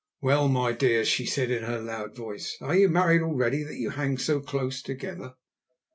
"Well, my dears," she said in her loud voice, "are you married already that you hang so close together?"